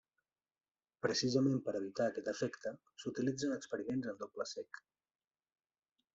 Precisament per evitar aquest efecte s'utilitzen experiments en doble cec.